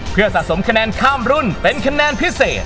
เพื่อสะสมคะแนนข้ามรุ่นเป็นคะแนนพิเศษ